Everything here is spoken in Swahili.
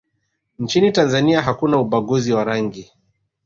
nchini tanzania hakuna ubaguzi wa rangi